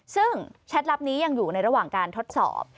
ซึ่งแชทลับนี้ยังอยู่ในระหว่างการทดสอบ